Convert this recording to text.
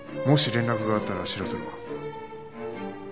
もし連絡があったら知らせろ